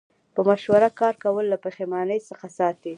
په مشوره کار کول له پښیمانۍ څخه ساتي.